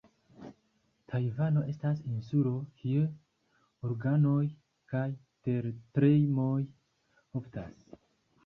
Tajvano estas insulo, kie uraganoj kaj tertremoj oftas.